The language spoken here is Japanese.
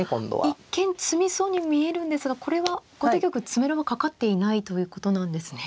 一見詰みそうに見えるんですがこれは後手玉詰めろがかかっていないということなんですね。